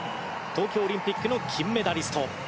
東京オリンピックの金メダリスト。